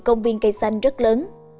công viên cây xanh rất lớn